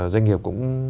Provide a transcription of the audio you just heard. doanh nghiệp cũng